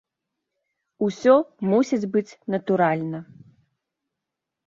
Усё мусіць быць натуральна.